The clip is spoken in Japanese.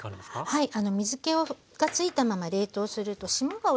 はい。